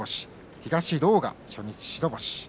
東狼雅、初日白星。